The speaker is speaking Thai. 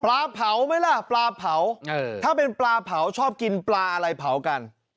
เผาไหมล่ะปลาเผาถ้าเป็นปลาเผาชอบกินปลาอะไรเผากัน